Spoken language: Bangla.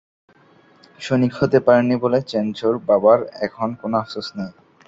সৈনিক হতে পারেননি বলে চেনচোর বাবার এখন কোনো আফসোস নেই।